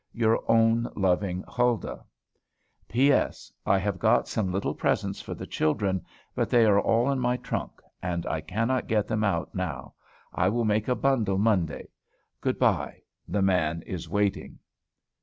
Your own loving HULDAH. P.S. I have got some little presents for the children; but they are all in my trunk, and I cannot get them out now. I will make a bundle Monday. Good by. The man is waiting.